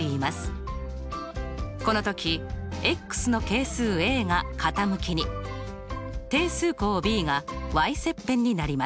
この時の係数が傾きに定数項ｂが切片になります。